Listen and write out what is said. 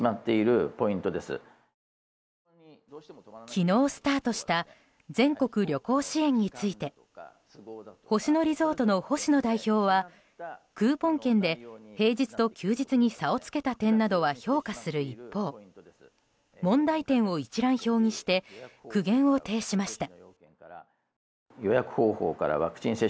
昨日、スタートした全国旅行支援について星野リゾートの星野代表はクーポン券で平日と休日に差をつけた点などは評価する一方問題点を一覧表にして苦言を呈しました。